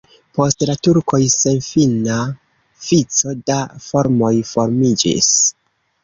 Post la turkoj senfina vico da farmoj formiĝis.